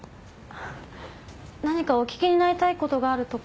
何かお訊きになりたいことがあるとか。